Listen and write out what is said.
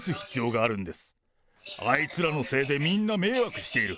あいつらのせいでみんな迷惑している。